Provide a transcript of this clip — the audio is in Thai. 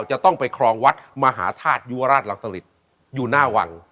จะต้องไปครองวัดมหาธาตุยุวราชรังสลิตอยู่หน้าวัง